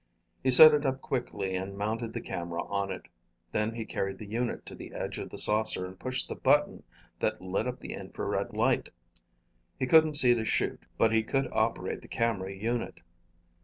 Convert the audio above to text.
He set it up quickly and mounted the camera on it. Then he carried the unit to the edge of the saucer and pushed the button that lit up the infrared light. He couldn't see to shoot, but he could operate the camera unit.